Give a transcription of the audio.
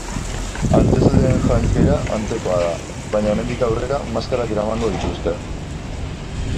Antzezleen janzkera antzekoa da, baina hemendik aurrera maskarak eramango dituzte.